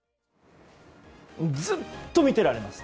ずっと見ていられます。